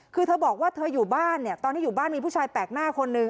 คือเธอบอกว่าเธออยู่บ้านเนี่ยตอนที่อยู่บ้านมีผู้ชายแปลกหน้าคนนึง